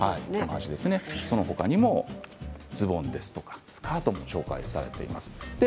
そのほかにもズボンやスカートが紹介されています。